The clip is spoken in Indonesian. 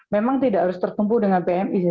memang tidak harus tertumpu dengan pmi sih